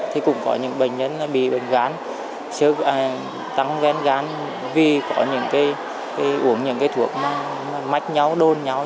thì cũng có những bệnh nhân bị bệnh gán tăng gán gán vì có những cái uống những cái thuốc mà mách nhau đôn nhau